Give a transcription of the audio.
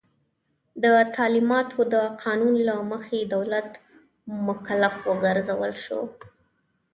د تعلیماتو د قانون له مخي دولت مکلف وګرځول سو.